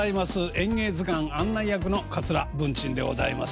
「演芸図鑑」案内役の桂文珍でございます。